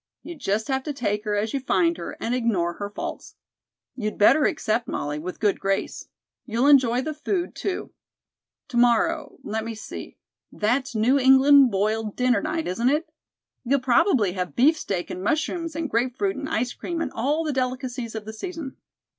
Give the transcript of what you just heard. You just have to take her as you find her and ignore her faults. You'd better accept, Molly, with good grace. You'll enjoy the food, too. To morrow let me see, that's New England boiled dinner night, isn't it? You'll probably have beefsteak and mushrooms and grape fruit and ice cream and all the delicacies of the season."